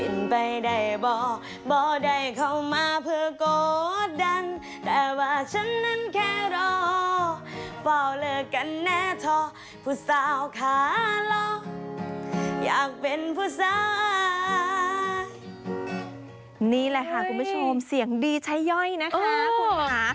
นี่แหละค่ะคุณผู้ชมเสียงดีใช้ย่อยนะคะคุณค่ะ